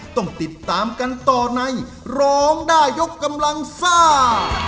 ต้องติดตามกันต่อในร้องได้ยกกำลังซ่า